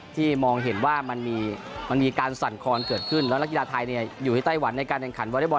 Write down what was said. ที่มองเห็นว่ามันมีมันมีการสั่นคลอนเกิดขึ้นแล้วนักกีฤทธิ์ไทยเนี่ยอยู่ที่ไต้หวันในการแข่งขันวอเล่นบอล